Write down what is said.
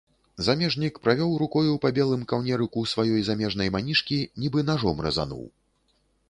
Замежнік правёў рукою па белым каўнерыку сваёй замежнай манішкі, нібы нажом разануў.